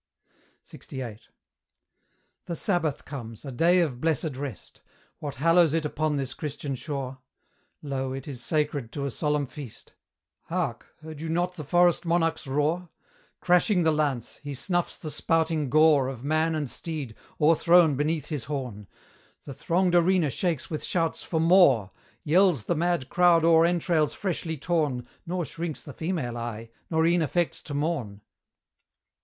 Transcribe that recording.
LXVIII. The sabbath comes, a day of blessed rest; What hallows it upon this Christian shore? Lo! it is sacred to a solemn feast: Hark! heard you not the forest monarch's roar? Crashing the lance, he snuffs the spouting gore Of man and steed, o'erthrown beneath his horn: The thronged arena shakes with shouts for more; Yells the mad crowd o'er entrails freshly torn, Nor shrinks the female eye, nor e'en affects to mourn.